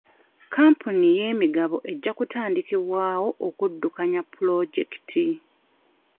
Kampuni y'emigabo ejja kutandikibwawo okuddukanya pulojekiti.